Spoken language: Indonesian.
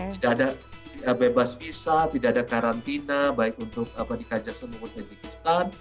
tidak ada bebas visa tidak ada karantina baik untuk di kajastan maupun uzbekistan